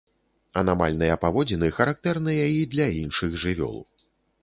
Анамальныя паводзіны характэрныя і для іншых жывёл.